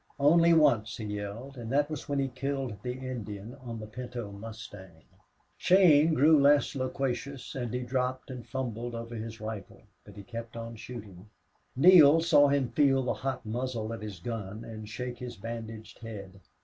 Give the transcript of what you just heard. Only once he yelled, and that was when he killed the Indian on the pinto mustang. Shane grew less loquacious and he dropped and fumbled over his rifle, but he kept on shooting. Neale saw him feel the hot muzzle of his gun and shake his bandaged head.